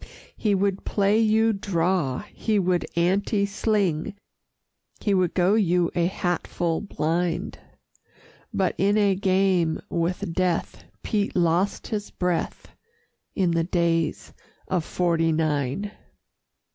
He would play you Draw, he would Ante sling, He would go you a hatfull Blind But in a game with Death Pete lost his breath In the Days of 'Forty Nine.